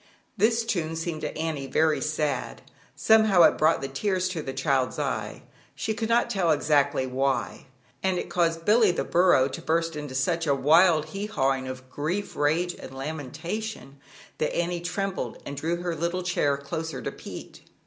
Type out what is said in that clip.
This tune seemed to Annie very sad. Some how it brought the tears to the child's eye she could not tell exactly why, and it caused Billy, the burro, to burst out into such a wild " he hawing" of grief, rage and lamentation, that Annie trembled and drew her little chair closer to Pete.